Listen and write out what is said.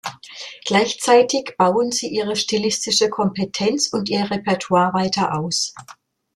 Gleichzeitig bauen sie ihre stilistische Kompetenz und ihr Repertoire weiter aus.